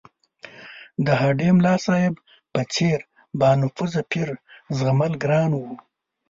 د هډې ملاصاحب په څېر بانفوذه پیر زغمل ګران وو.